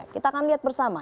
kita akan lihat bersama